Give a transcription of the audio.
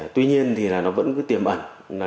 tuy nhiên thì nó vẫn cứ tiềm ẩn